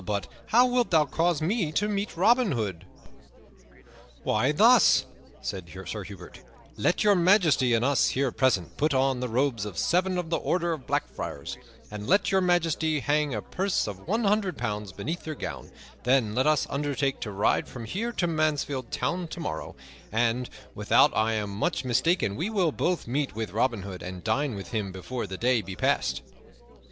But how wilt thou cause me to meet Robin Hood?" "Why, thus," said Sir Hubert, "let Your Majesty and us here present put on the robes of seven of the Order of Black Friars, and let Your Majesty hang a purse of one hundred pounds beneath your gown; then let us undertake to ride from here to Mansfield Town tomorrow, and, without I am much mistaken, we will both meet with Robin Hood and dine with him before the day be passed."